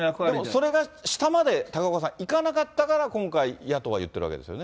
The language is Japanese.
それが高岡さん、下までいかなかったから、今回、野党は言っているわけですよね。